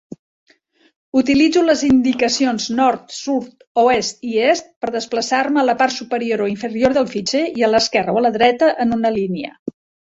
Utilitzo les indicacions nord, sud, oest i est per desplaçar-me a la part superior o inferior del fitxer i a l'esquerra o a la dreta en una línia.